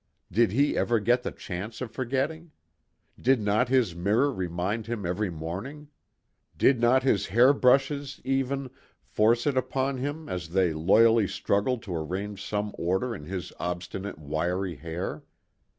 Did he ever get the chance of forgetting? Did not his mirror remind him every morning? Did not his hair brushes, even, force it upon him as they loyally struggled to arrange some order in his obstinate wiry hair?